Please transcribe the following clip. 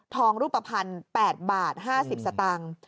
รูปภัณฑ์๘บาท๕๐สตางค์